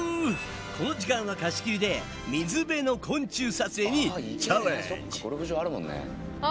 この時間は貸し切りで水辺の昆虫撮影にチャレンジ！